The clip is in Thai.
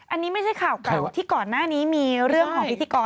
อันนี้ไม่ใช่ข่าวเก่าที่ก่อนหน้านี้มีเรื่องของพิธีกร